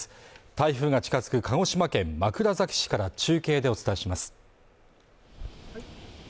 台風が近づく鹿児島県枕崎市から中継でお伝えします